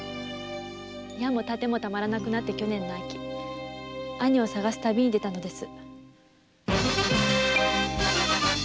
矢も盾もたまらなくなり去年の秋兄を探す旅に出たのです。